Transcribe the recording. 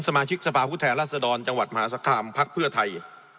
สมาชิกสภาพผู้แทนรัศดรจังหวัดมหาสคามพักเพื่อไทย